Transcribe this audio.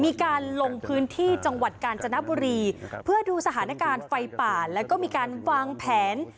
มีการลงพื้นที่จังหวัดกาญจนบุรีเพื่อดูสถานการณ์ไฟป่าแล้วก็มีการวางแผน